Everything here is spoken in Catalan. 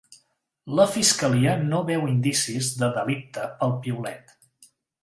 La fiscalia no veu indicis de delicte pel piulet